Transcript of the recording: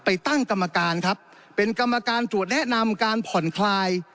ตั้งกรรมการครับเป็นกรรมการตรวจแนะนำการผ่อนคลาย